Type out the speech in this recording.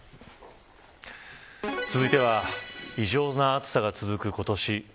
続いては異常な暑さが続く今年。